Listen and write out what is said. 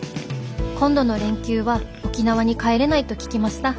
今度の連休は沖縄に帰れないと聞きました。